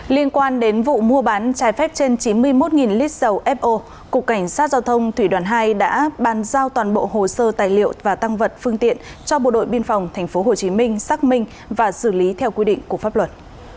liên quan đến vụ mua bán trái phép trên chín mươi một lít dầu fo cục cảnh sát giao thông thủy đoàn hai đã bàn giao toàn bộ hồ sơ tài liệu và tăng vật phương tiện cho bộ đội biên phòng tp hcm xác minh và xử lý theo quy định của pháp luật